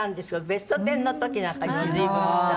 『ベストテン』の時なんかにも随分。